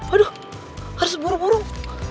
aduh harus burung burung